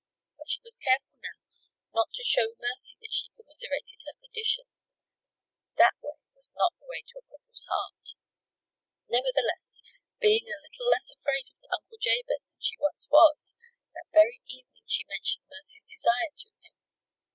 But she was careful now not to show Mercy that she commiserated her condition; that way was not the way to the cripple's heart. Nevertheless, being a little less afraid of Uncle Jabez than she once was, that very evening she mentioned Mercy's desire to him.